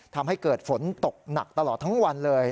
ทำให้เกิดฝนตกหนักตลอดทั้งวันเลย